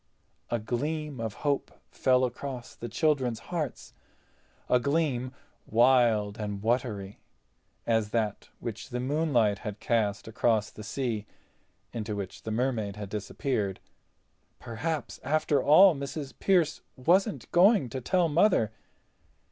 A gleam of hope fell across the children's hearts—a gleam wild and watery as that which the moonlight had cast across the sea, into which the Mermaid had disappeared. Perhaps after all Mrs. Pearce wasn't going to tell Mother.